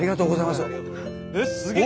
すげえ！